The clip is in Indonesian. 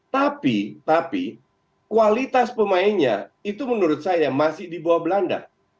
tapi tapi kualitas pemainnya itu menurut saya masih di bawah belanda